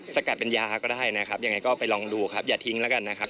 สกัดเป็นยาก็ได้นะครับยังไงก็ไปลองดูครับอย่าทิ้งแล้วกันนะครับ